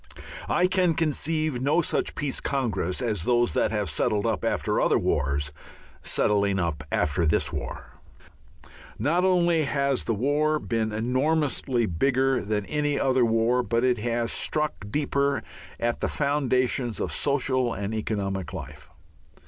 I can conceive no such Peace Congress as those that have settled up after other wars, settling up after this war. Not only has the war been enormously bigger than any other war, but it has struck deeper at the foundations of social and economic life.